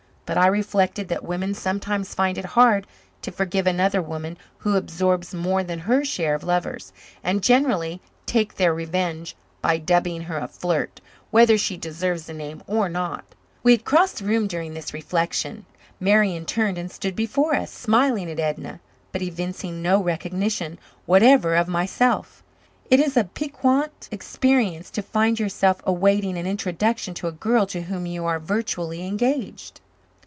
But I reflected that women sometimes find it hard to forgive another woman who absorbs more than her share of lovers, and generally take their revenge by dubbing her a flirt, whether she deserves the name or not. We had crossed the room during this reflection. Marian turned and stood before us, smiling at Edna, but evincing no recognition whatever of myself. It is a piquant experience to find yourself awaiting an introduction to a girl to whom you are virtually engaged.